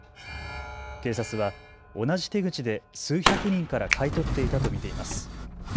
警察は同じ手口で数百人から買い取っていたと見ています。